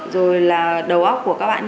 rồi là đầu óc của các bạn